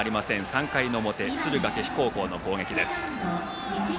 ３回の表、敦賀気比高校の攻撃。